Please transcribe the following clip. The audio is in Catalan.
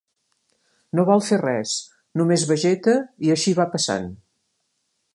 No vol fer res: només vegeta i així va passant.